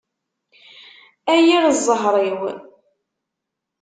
A yir ẓẓher-iw!